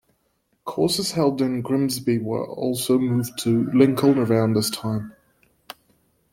Courses held in Grimsby were also moved to Lincoln around this time.